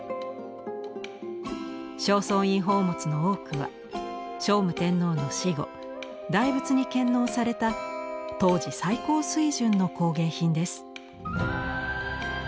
正倉院宝物の多くは聖武天皇の死後大仏に献納された当時最高水準の工芸品です。